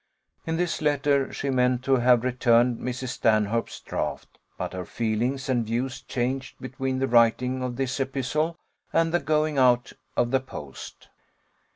In this letter she meant to have returned Mrs. Stanhope's draught, but her feelings and views changed between the writing of this epistle and the going out of the post.